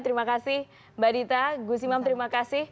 terima kasih mbak dita gus imam terima kasih